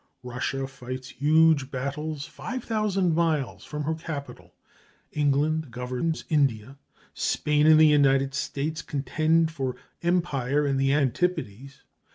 Russia fights huge battles five thousand miles from her capital. England governs India. Spain and the United States contend for empire in the antipodes.